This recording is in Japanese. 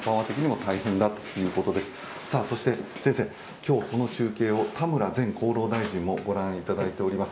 今日この中継を田村前厚労大臣も御覧いただいております。